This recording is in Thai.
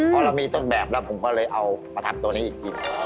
พอเรามีต้นแบบแล้วผมก็เลยเอามาทำตัวนี้อีกที